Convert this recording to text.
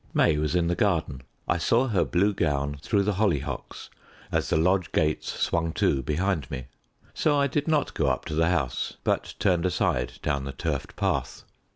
May was in the garden. I saw her blue gown through the hollyhocks as the lodge gates swung to behind me. So I did not go up to the house, but turned aside down the turfed path.